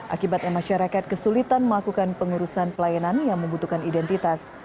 akibatnya masyarakat kesulitan melakukan pengurusan pelayanan yang membutuhkan identitas